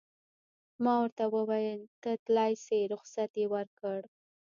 ما ورته وویل: ته تلای شې، رخصت یې ورکړ.